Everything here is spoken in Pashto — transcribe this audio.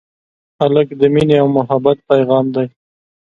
هلک د مینې او محبت پېغام دی.